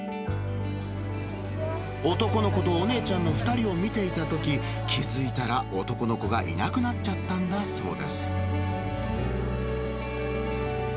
男の子とお姉ちゃんの２人を見ていたとき、気付いたら男の子がいなくなっちゃったんだそうです。